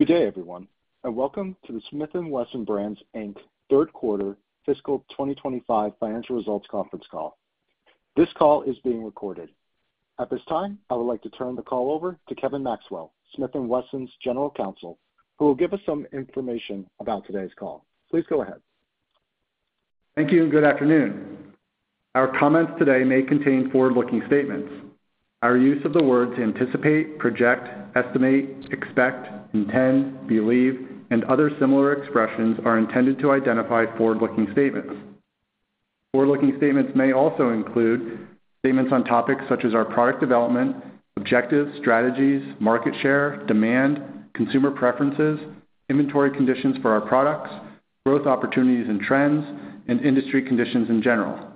Good day, everyone, and welcome to the Smith & Wesson Brands Q3 Fiscal 2025 Financial Results Conference Call. This call is being recorded. At this time, I would like to turn the call over to Kevin Maxwell, Smith & Wesson's General Counsel, who will give us some information about today's call. Please go ahead. Thank you, and good afternoon. Our comments today may contain forward-looking statements. Our use of the words anticipate, project, estimate, expect, intend, believe, and other similar expressions are intended to identify forward-looking statements. Forward-looking statements may also include statements on topics such as our product development, objectives, strategies, market share, demand, consumer preferences, inventory conditions for our products, growth opportunities and trends, and industry conditions in general.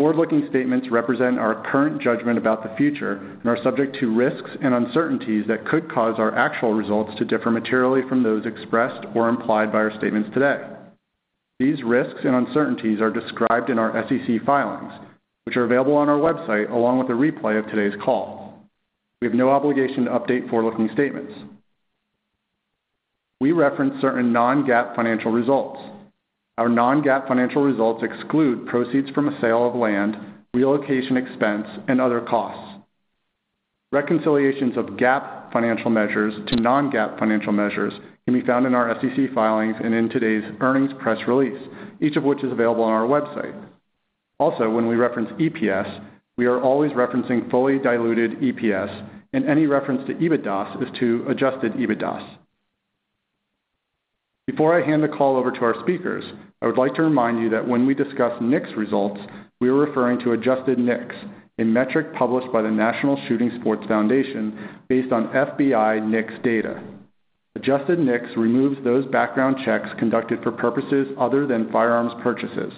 Forward-looking statements represent our current judgment about the future and are subject to risks and uncertainties that could cause our actual results to differ materially from those expressed or implied by our statements today. These risks and uncertainties are described in our SEC filings, which are available on our website along with a replay of today's call. We have no obligation to update forward-looking statements. We reference certain non-GAAP financial results. Our non-GAAP financial results exclude proceeds from a sale of land, relocation expense, and other costs. Reconciliations of GAAP financial measures to non-GAAP financial measures can be found in our SEC filings and in today's earnings press release, each of which is available on our website. Also, when we reference EPS, we are always referencing fully diluted EPS, and any reference to EBITDA is to adjusted EBITDA. Before I hand the call over to our speakers, I would like to remind you that when we discuss NICS results, we are referring to adjusted NICS, a metric published by the National Shooting Sports Foundation based on FBI NICS data. Adjusted NICS removes those background checks conducted for purposes other than firearms purchases.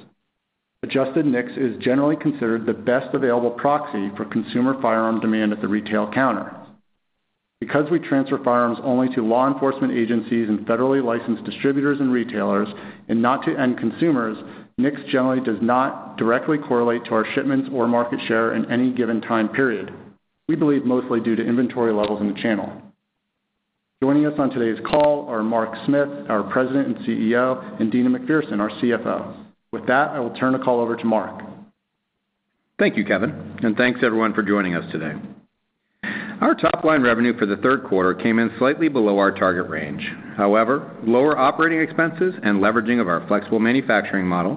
Adjusted NICS is generally considered the best available proxy for consumer firearm demand at the retail counter. Because we transfer firearms only to law enforcement agencies and federally licensed distributors and retailers and not to end consumers, NICS generally does not directly correlate to our shipments or market share in any given time period. We believe mostly due to inventory levels in the channel. Joining us on today's call are Mark Smith, our President and CEO, and Deana McPherson, our CFO. With that, I will turn the call over to Mark. Thank you, Kevin, and thanks, everyone, for joining us today. Our top-line revenue for the Q3 came in slightly below our target range. However, lower operating expenses and leveraging of our flexible manufacturing model,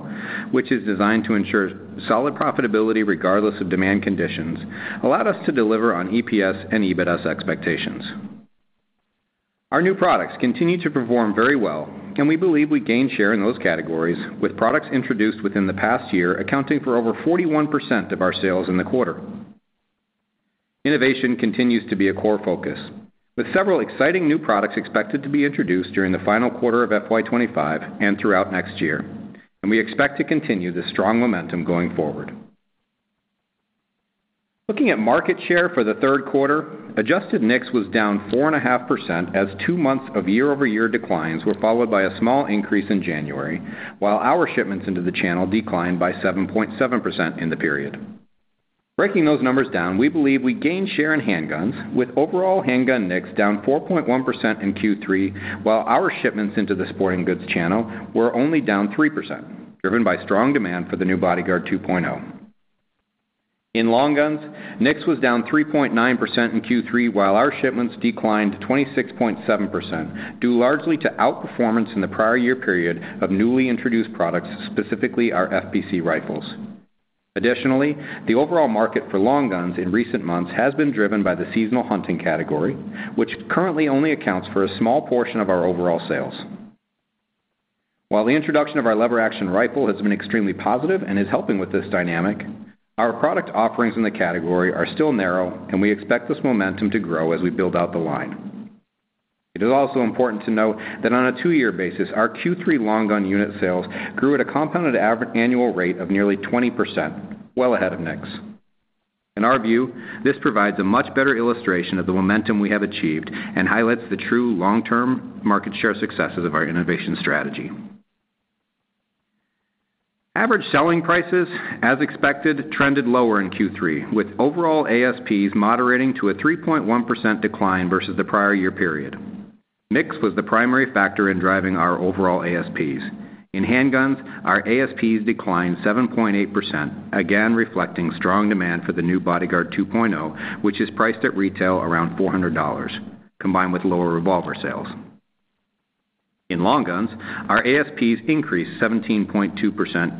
which is designed to ensure solid profitability regardless of demand conditions, allowed us to deliver on EPS and EBITDA expectations. Our new products continue to perform very well, and we believe we gained share in those categories, with products introduced within the past year accounting for over 41% of our sales in the quarter. Innovation continues to be a core focus, with several exciting new products expected to be introduced during the final quarter of FY2025 and throughout next year, and we expect to continue this strong momentum going forward. Looking at market share for the Q3, adjusted NICS was down 4.5% as two months of year-over-year declines were followed by a small increase in January, while our shipments into the channel declined by 7.7% in the period. Breaking those numbers down, we believe we gained share in handguns, with overall handgun NICS down 4.1% in Q3, while our shipments into the sporting goods channel were only down 3%, driven by strong demand for the new Bodyguard 2.0. In long guns, NICS was down 3.9% in Q3, while our shipments declined 26.7%, due largely to outperformance in the prior year period of newly introduced products, specifically our M&P15 rifles. Additionally, the overall market for long guns in recent months has been driven by the seasonal hunting category, which currently only accounts for a small portion of our overall sales. While the introduction of our lever-action rifle has been extremely positive and is helping with this dynamic, our product offerings in the category are still narrow, and we expect this momentum to grow as we build out the line. It is also important to note that on a two-year basis, our Q3 long gun unit sales grew at a compounded annual rate of nearly 20%, well ahead of NICS. In our view, this provides a much better illustration of the momentum we have achieved and highlights the true long-term market share successes of our innovation strategy. Average selling prices, as expected, trended lower in Q3, with overall ASPs moderating to a 3.1% decline versus the prior year period. NICS was the primary factor in driving our overall ASPs. In handguns, our ASPs declined 7.8%, again reflecting strong demand for the new Bodyguard 2.0, which is priced at retail around $400, combined with lower revolver sales. In long guns, our ASPs increased 17.2%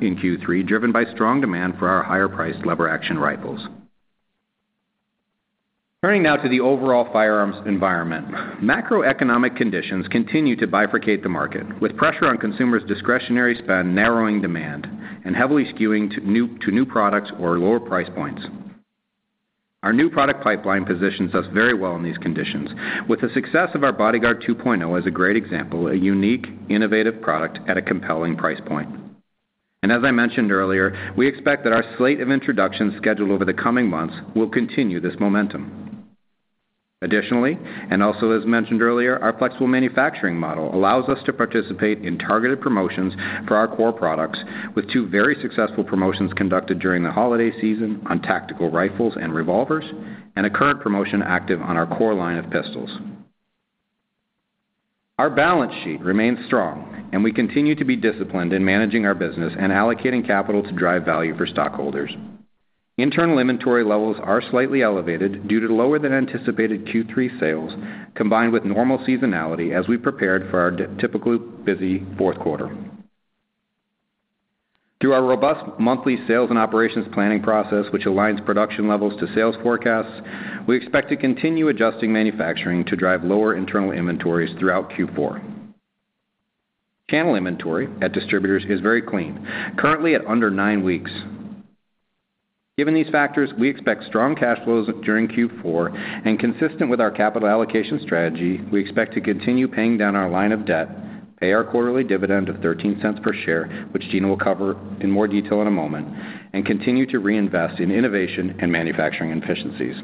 in Q3, driven by strong demand for our higher-priced lever-action rifles. Turning now to the overall firearms environment, macroeconomic conditions continue to bifurcate the market, with pressure on consumers' discretionary spend narrowing demand and heavily skewing to new products or lower price points. Our new product pipeline positions us very well in these conditions, with the success of our Bodyguard 2.0 as a great example of a unique, innovative product at a compelling price point. As I mentioned earlier, we expect that our slate of introductions scheduled over the coming months will continue this momentum. Additionally, and also as mentioned earlier, our flexible manufacturing model allows us to participate in targeted promotions for our core products, with two very successful promotions conducted during the holiday season on tactical rifles and revolvers and a current promotion active on our core line of pistols. Our balance sheet remains strong, and we continue to be disciplined in managing our business and allocating capital to drive value for stockholders. Internal inventory levels are slightly elevated due to lower-than-anticipated Q3 sales, combined with normal seasonality as we prepared for our typically busy Q4. Through our robust monthly sales and operations planning process, which aligns production levels to sales forecasts, we expect to continue adjusting manufacturing to drive lower internal inventories throughout Q4. Channel inventory at distributors is very clean, currently at under nine weeks. Given these factors, we expect strong cash flows during Q4, and consistent with our capital allocation strategy, we expect to continue paying down our line of debt, pay our quarterly dividend of $0.13 per share, which Deana will cover in more detail in a moment, and continue to reinvest in innovation and manufacturing efficiencies.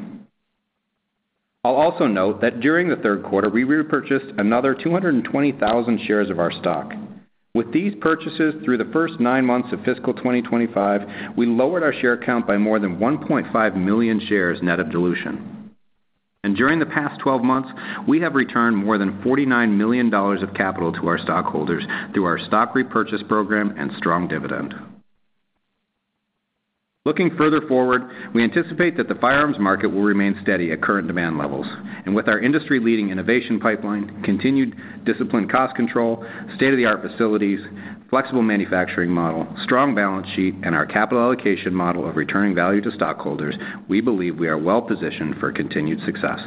I'll also note that during the Q3, we repurchased another 220,000 shares of our stock. With these purchases through the first nine months of fiscal 2025, we lowered our share count by more than 1.5 million shares net of dilution. During the past 12 months, we have returned more than $49 million of capital to our stockholders through our stock repurchase program and strong dividend. Looking further forward, we anticipate that the firearms market will remain steady at current demand levels, and with our industry-leading innovation pipeline, continued disciplined cost control, state-of-the-art facilities, flexible manufacturing model, strong balance sheet, and our capital allocation model of returning value to stockholders, we believe we are well-positioned for continued success.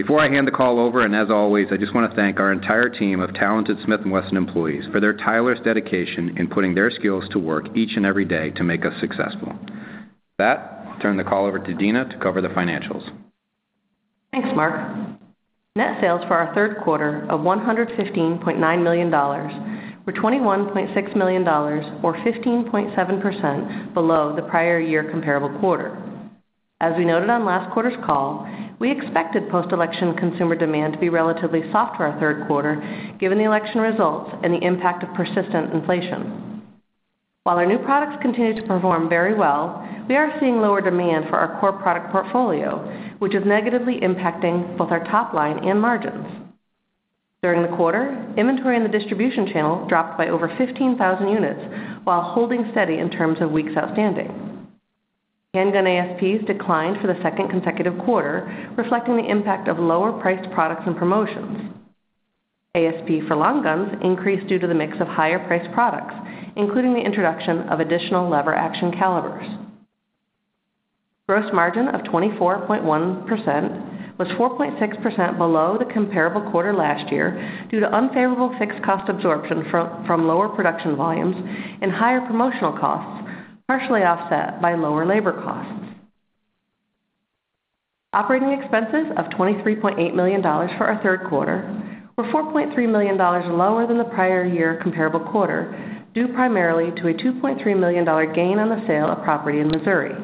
Before I hand the call over, and as always, I just want to thank our entire team of talented Smith & Wesson employees for their tireless dedication in putting their skills to work each and every day to make us successful. With that, I'll turn the call over to Deana to cover the financials. Thanks, Mark. Net sales for our Q3 of $115.9 million were $21.6 million, or 15.7% below the prior year comparable quarter. As we noted on last quarter's call, we expected post-election consumer demand to be relatively soft for our Q3, given the election results and the impact of persistent inflation. While our new products continue to perform very well, we are seeing lower demand for our core product portfolio, which is negatively impacting both our top line and margins. During the quarter, inventory in the distribution channel dropped by over 15,000 units while holding steady in terms of weeks outstanding. Handgun ASPs declined for the second consecutive quarter, reflecting the impact of lower-priced products and promotions. ASP for long guns increased due to the mix of higher-priced products, including the introduction of additional lever-action calibers. Gross margin of 24.1% was 4.6% below the comparable quarter last year due to unfavorable fixed cost absorption from lower production volumes and higher promotional costs, partially offset by lower labor costs. Operating expenses of $23.8 million for our Q3 were $4.3 million lower than the prior year comparable quarter, due primarily to a $2.3 million gain on the sale of property in Missouri.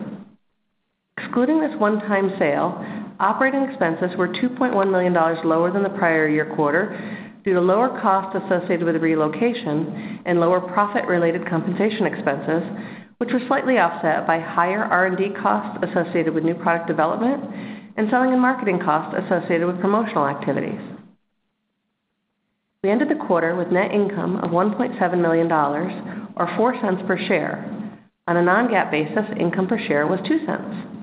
Excluding this one-time sale, operating expenses were $2.1 million lower than the prior year quarter due to lower costs associated with relocation and lower profit-related compensation expenses, which were slightly offset by higher R&D costs associated with new product development and selling and marketing costs associated with promotional activities. We ended the quarter with net income of $1.7 million, or $0.04 per share. On a non-GAAP basis, income per share was $0.02.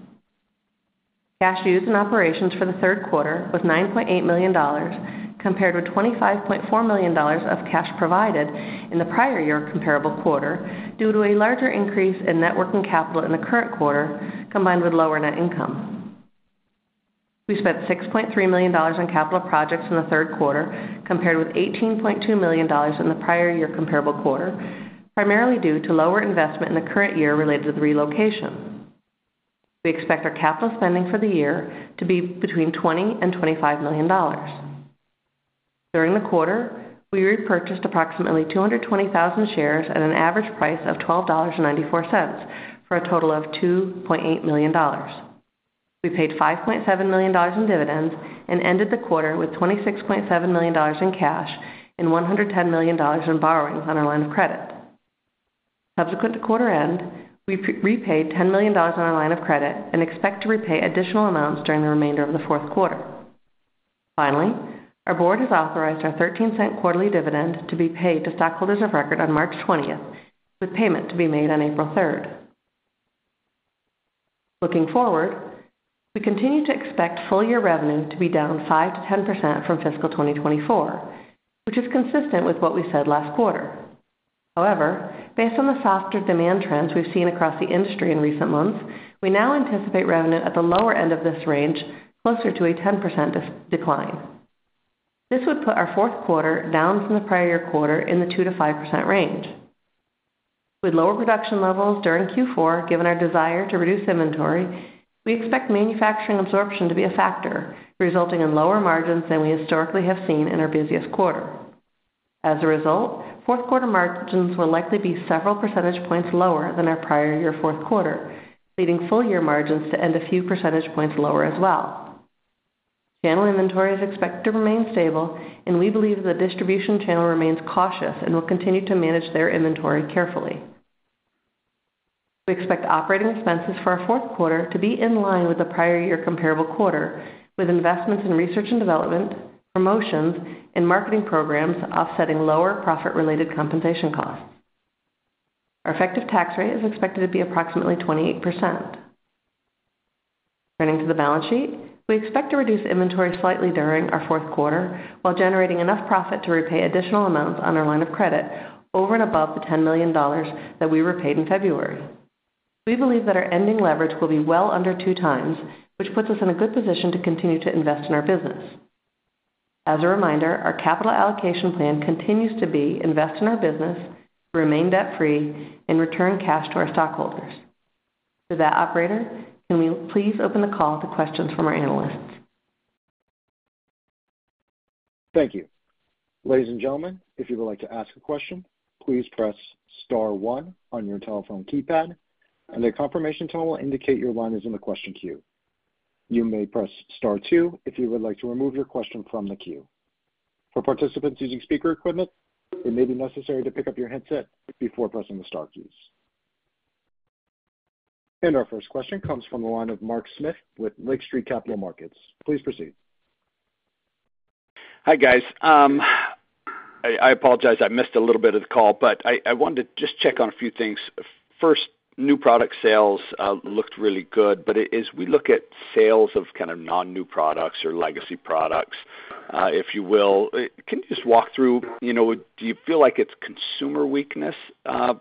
Cash used in operations for the Q3 was $9.8 million, compared with $25.4 million of cash provided in the prior year comparable quarter, due to a larger increase in net working capital in the current quarter, combined with lower net income. We spent $6.3 million on capital projects in the Q3, compared with $18.2 million in the prior year comparable quarter, primarily due to lower investment in the current year related to the relocation. We expect our capital spending for the year to be between $20 million and $25 million. During the quarter, we repurchased approximately 220,000 shares at an average price of $12.94 for a total of $2.8 million. We paid $5.7 million in dividends and ended the quarter with $26.7 million in cash and $110 million in borrowings on our line of credit. Subsequent to quarter end, we repaid $10 million on our line of credit and expect to repay additional amounts during the remainder of the Q4. Finally, our board has authorized our $0.13 quarterly dividend to be paid to stockholders of record on March 20th, with payment to be made on April 3rd. Looking forward, we continue to expect full-year revenue to be down 5%-10% from fiscal 2024, which is consistent with what we said last quarter. However, based on the softer demand trends we've seen across the industry in recent months, we now anticipate revenue at the lower end of this range, closer to a 10% decline. This would put our Q4 down from the prior year quarter in the 2%-5% range. With lower production levels during Q4, given our desire to reduce inventory, we expect manufacturing absorption to be a factor, resulting in lower margins than we historically have seen in our busiest quarter. As a result, Q4 margins will likely be several percentage points lower than our prior year Q4, leading full-year margins to end a few percentage points lower as well. Channel inventory is expected to remain stable, and we believe the distribution channel remains cautious and will continue to manage their inventory carefully. We expect operating expenses for our Q4 to be in line with the prior year comparable quarter, with investments in research and development, promotions, and marketing programs offsetting lower profit-related compensation costs. Our effective tax rate is expected to be approximately 28%. Turning to the balance sheet, we expect to reduce inventory slightly during our Q4, while generating enough profit to repay additional amounts on our line of credit over and above the $10 million that we repaid in February. We believe that our ending leverage will be well under two times, which puts us in a good position to continue to invest in our business. As a reminder, our capital allocation plan continues to be invest in our business, remain debt-free, and return cash to our stockholders. To that operator, can we please open the call to questions from our analysts? Thank you. Ladies and gentlemen, if you would like to ask a question, please press star one on your telephone keypad, and a confirmation tone will indicate your line is in the question queue. You may press star 2 if you would like to remove your question from the queue. For participants using speaker equipment, it may be necessary to pick up your headset before pressing the Star keys. Our first question comes from the line of Mark Smith with Lake Street Capital Markets. Please proceed. Hi, guys. I apologize. I missed a little bit of the call, but I wanted to just check on a few things. First, new product sales looked really good, but as we look at sales of kind of non-new products or legacy products, if you will, can you just walk through, do you feel like it's consumer weakness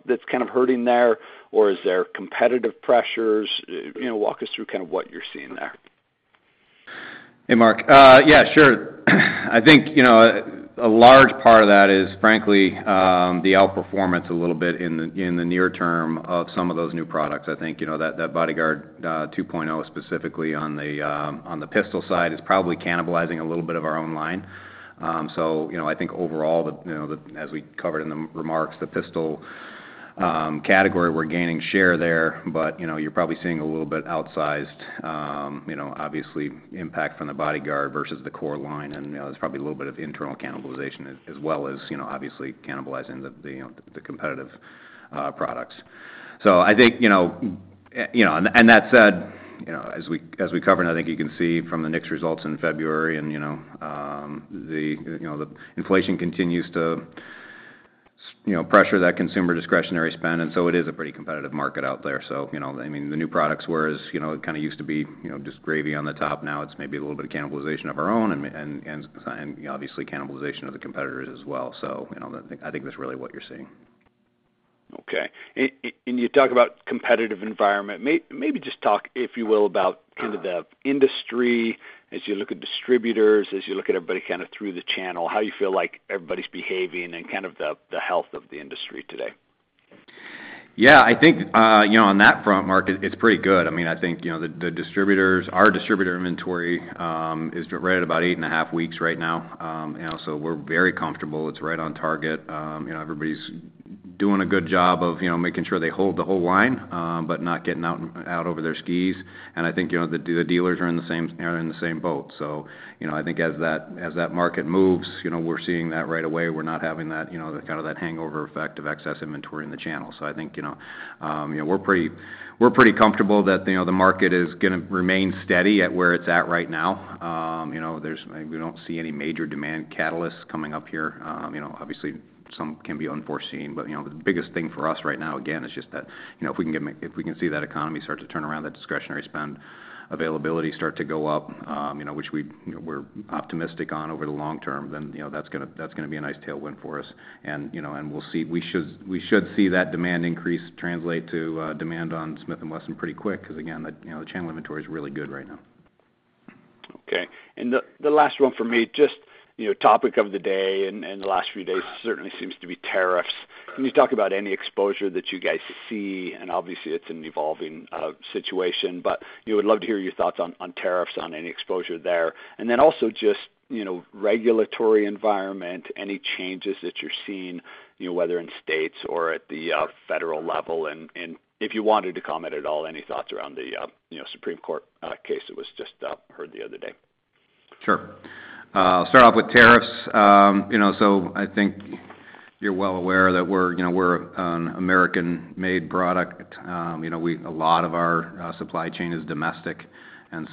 that's kind of hurting there, or is there competitive pressures? Walk us through kind of what you're seeing there. Hey, Mark. Yeah, sure. I think a large part of that is, frankly, the outperformance a little bit in the near term of some of those new products. I think that Bodyguard 2.0, specifically on the pistol side, is probably cannibalizing a little bit of our own line. I think overall, as we covered in the remarks, the pistol category, we're gaining share there, but you're probably seeing a little bit outsized, obviously, impact from the Bodyguard versus the core line, and there's probably a little bit of internal cannibalization as well as, obviously, cannibalizing the competitive products. I think, that said, as we covered, you can see from the NICS results in February, and the inflation continues to pressure that consumer discretionary spend, and it is a pretty competitive market out there. I mean, the new products, whereas it kind of used to be just gravy on the top, now it's maybe a little bit of cannibalization of our own and, obviously, cannibalization of the competitors as well. I think that's really what you're seeing. Okay. You talk about competitive environment. Maybe just talk, if you will, about kind of the industry as you look at distributors, as you look at everybody kind of through the channel, how you feel like everybody's behaving and kind of the health of the industry today. Yeah. I think on that front, Mark, it's pretty good. I mean, I think our distributor inventory is right at about eight and a half weeks right now, so we're very comfortable. It's right on target. Everybody's doing a good job of making sure they hold the whole line but not getting out over their skis. I think the dealers are in the same boat. I think as that market moves, we're seeing that right away. We're not having that hangover effect of excess inventory in the channel. I think we're pretty comfortable that the market is going to remain steady at where it's at right now. We don't see any major demand catalysts coming up here. Obviously, some can be unforeseen, but the biggest thing for us right now, again, is just that if we can see that economy start to turn around, that discretionary spend availability start to go up, which we're optimistic on over the long term, that is going to be a nice tailwind for us. We should see that demand increase translate to demand on Smith & Wesson pretty quick because, again, the channel inventory is really good right now. Okay. The last one for me, just topic of the day in the last few days certainly seems to be tariffs. Can you talk about any exposure that you guys see? Obviously, it's an evolving situation, but we'd love to hear your thoughts on tariffs, on any exposure there. Also, just regulatory environment, any changes that you're seeing, whether in states or at the federal level, and if you wanted to comment at all, any thoughts around the Supreme Court case that was just heard the other day. Sure. I'll start off with tariffs. I think you're well aware that we're an American-made product. A lot of our supply chain is domestic, and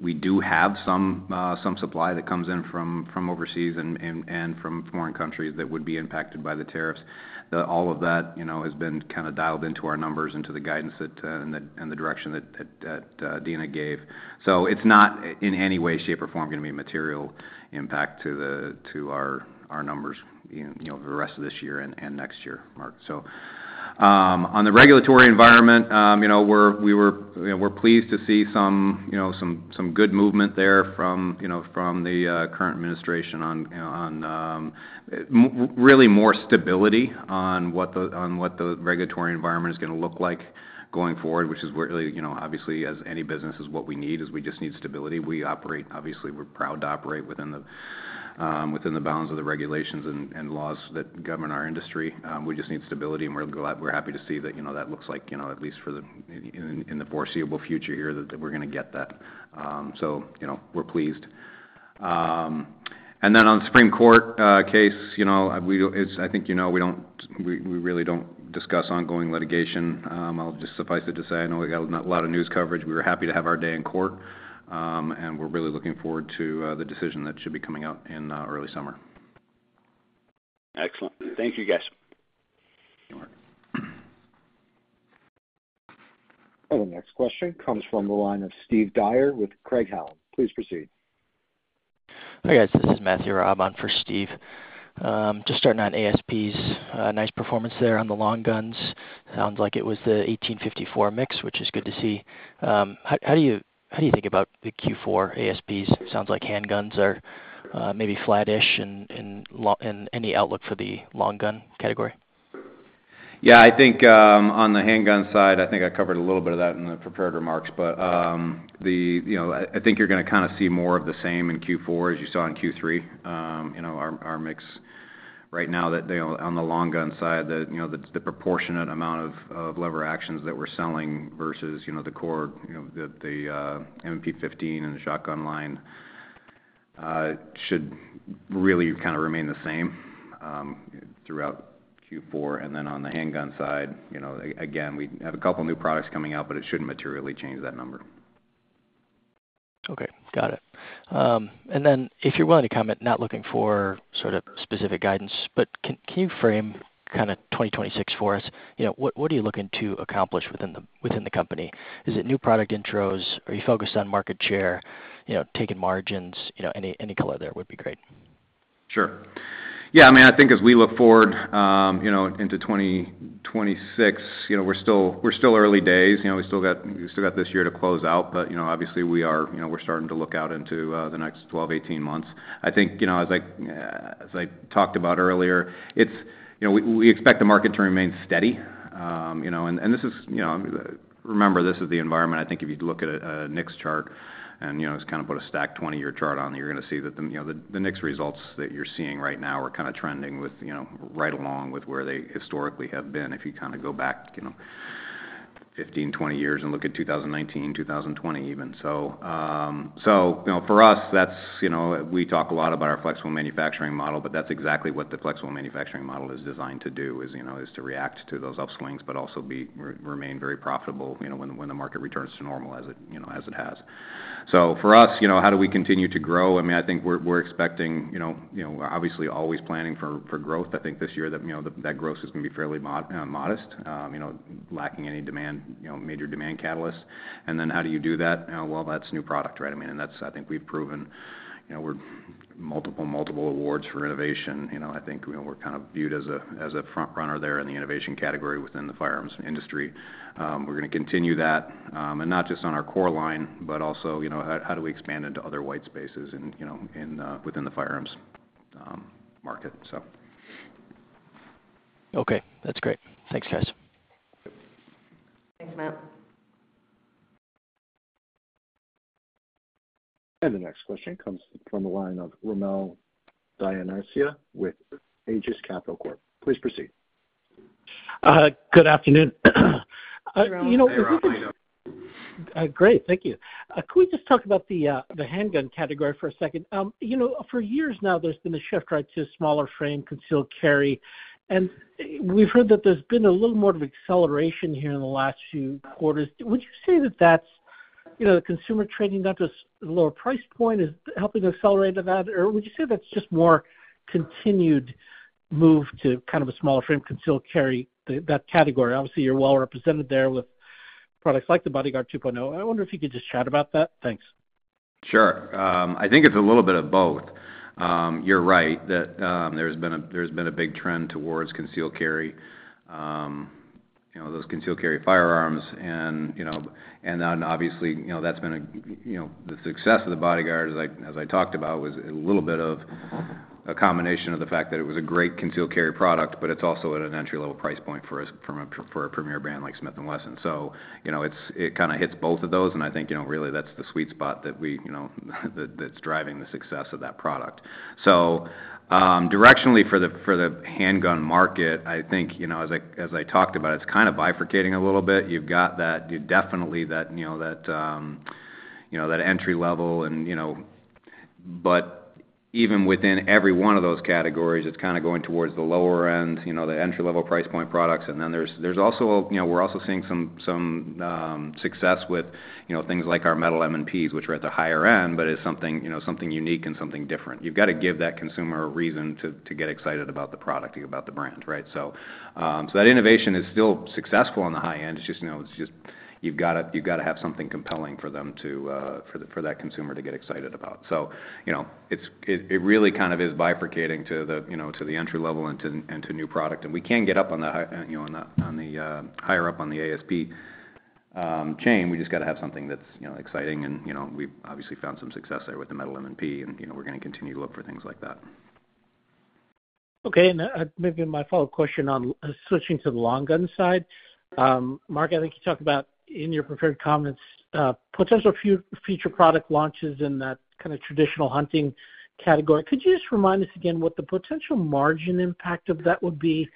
we do have some supply that comes in from overseas and from foreign countries that would be impacted by the tariffs. All of that has been kind of dialed into our numbers, into the guidance and the direction that Deana gave. It's not in any way, shape, or form going to be a material impact to our numbers for the rest of this year and next year, Mark. On the regulatory environment, we're pleased to see some good movement there from the current administration on really more stability on what the regulatory environment is going to look like going forward, which is really, obviously, as any business, is what we need, is we just need stability. We operate, obviously, we're proud to operate within the bounds of the regulations and laws that govern our industry. We just need stability, and we're happy to see that that looks like, at least in the foreseeable future here, that we're going to get that. We are pleased. On the Supreme Court case, I think we really don't discuss ongoing litigation. I'll just suffice it to say I know we got a lot of news coverage. We were happy to have our day in court, and we're really looking forward to the decision that should be coming out in early summer. Excellent. Thank you, guys. The next question comes from the line of Steve Dyer with Craig-Hallum Capital Group. Please proceed. Hi, guys. This is Matthew Robb on for Steve. Just starting on ASPs, nice performance there on the long guns. Sounds like it was the 1854 mix, which is good to see. How do you think about the Q4 ASPs? Sounds like handguns are maybe flattish in any outlook for the long gun category. Yeah. I think on the handgun side, I think I covered a little bit of that in the prepared remarks, but I think you're going to kind of see more of the same in Q4 as you saw in Q3, our mix. Right now, on the long gun side, the proportionate amount of lever actions that we're selling versus the core, the M&P 15 and the shotgun line should really kind of remain the same throughout Q4. On the handgun side, again, we have a couple of new products coming out, but it shouldn't materially change that number. Okay. Got it. If you're willing to comment, not looking for sort of specific guidance, but can you frame kind of 2026 for us? What are you looking to accomplish within the company? Is it new product intros? Are you focused on market share, taking margins? Any color there would be great. Sure. Yeah. I mean, I think as we look forward into 2026, we're still early days. We still got this year to close out, but obviously, we're starting to look out into the next 12, 18 months. I think as I talked about earlier, we expect the market to remain steady. This is, remember, this is the environment. I think if you look at a NICS chart and just kind of put a stacked 20-year chart on, you're going to see that the NICS results that you're seeing right now are kind of trending right along with where they historically have been if you kind of go back 15, 20 years and look at 2019, 2020 even. For us, we talk a lot about our flexible manufacturing model, but that's exactly what the flexible manufacturing model is designed to do, is to react to those upswings but also remain very profitable when the market returns to normal as it has. For us, how do we continue to grow? I mean, I think we're expecting, obviously, always planning for growth. I think this year that growth is going to be fairly modest, lacking any major demand catalysts. How do you do that? That's new product, right? I mean, and that's I think we've proven multiple, multiple awards for innovation. I think we're kind of viewed as a front runner there in the innovation category within the firearms industry. We're going to continue that, and not just on our core line, but also how do we expand into other white spaces within the firearms market. Okay. That's great. Thanks, guys. The next question comes from the line of Rommel Dionisio with Aegis Capital Corp. Please proceed. Good afternoon. Good afternoon. Great. Thank you. Can we just talk about the handgun category for a second? For years now, there's been a shift, right, to smaller frame, concealed carry, and we've heard that there's been a little more of an acceleration here in the last few quarters. Would you say that that's the consumer trading up to a lower price point is helping accelerate that, or would you say that's just more continued move to kind of a smaller frame, concealed carry, that category? Obviously, you're well represented there with products like the Bodyguard 2.0. I wonder if you could just chat about that. Thanks. Sure. I think it's a little bit of both. You're right that there's been a big trend towards concealed carry, those concealed carry firearms. Obviously, that's been the success of the Bodyguard, as I talked about, was a little bit of a combination of the fact that it was a great concealed carry product, but it's also at an entry-level price point for a premier brand like Smith & Wesson. It kind of hits both of those, and I think really that's the sweet spot that's driving the success of that product. Directionally for the handgun market, I think as I talked about, it's kind of bifurcating a little bit. You've got definitely that entry level, but even within every one of those categories, it's kind of going towards the lower end, the entry-level price point products. We're also seeing some success with things like our metal M&Ps, which are at the higher end, but it's something unique and something different. You've got to give that consumer a reason to get excited about the product, about the brand, right? That innovation is still successful on the high end. You've got to have something compelling for that consumer to get excited about. It really kind of is bifurcating to the entry level and to new product. We can get up higher on the ASP chain. We just have to have something that's exciting, and we've obviously found some success there with the metal M&P, and we're going to continue to look for things like that. Okay. Maybe my follow-up question on switching to the long gun side. Mark, I think you talked about in your prepared comments, potential future product launches in that kind of traditional hunting category. Could you just remind us again what the potential margin impact of that would be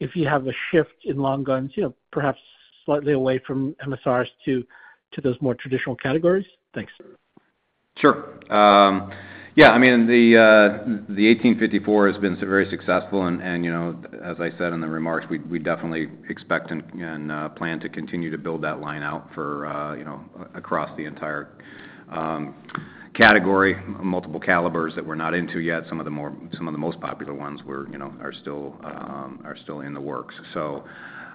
if you have a shift in long guns, perhaps slightly away from MSRs to those more traditional categories? Thanks. Sure. Yeah. I mean, the 1854 has been very successful, and as I said in the remarks, we definitely expect and plan to continue to build that line out across the entire category, multiple calibers that we're not into yet. Some of the most popular ones are still in the works.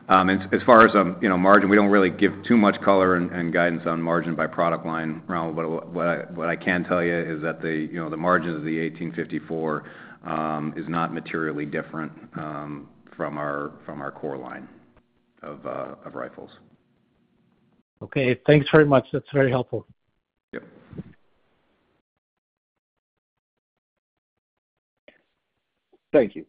As far as margin, we don't really give too much color and guidance on margin by product line. What I can tell you is that the margin of the 1854 is not materially different from our core line of rifles. Okay. Thanks very much. That's very helpful. Thank you.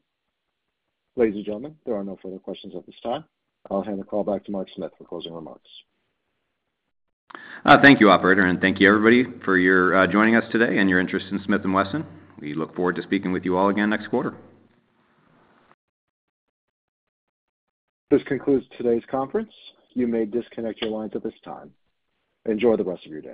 Ladies and gentlemen, there are no further questions at this time. I'll hand the call back to Mark Smith for closing remarks. Thank you, operator, and thank you, everybody, for joining us today and your interest in Smith & Wesson. We look forward to speaking with you all again next quarter. This concludes today's conference. You may disconnect your lines at this time. Enjoy the rest of your day.